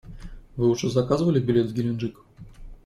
Вы уже заказывали билет в Геленджик?